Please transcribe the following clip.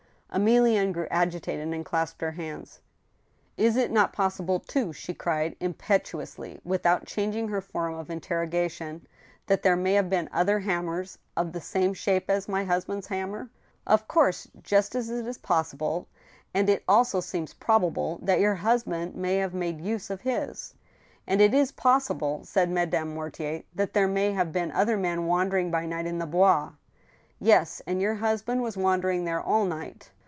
Emilienne grew agitated, and clasped her hands. Is it not possible, too," she cried, impetuously, without chang THE TWO WIVES. 143 ing her form of interrogation, 'fthat there may have been other hammers of the same shape as my husband's hammer ?"" Of course, just as it is possible; and it also seems probable, that your husband may have made use of his." " And it is possible," said Madame Mortier, " that there may have been other men wandering by night in the Bois." " Yes ; and your husband was wandering there all night."